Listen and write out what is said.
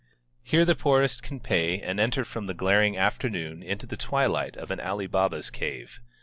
Here the poorest can pay and enter from the glaring afternoon into the twilight of an Ali Baba's cave.